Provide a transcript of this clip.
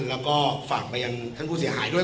แล้วก็ฝากไปยังท่านผู้เสียหายด้วย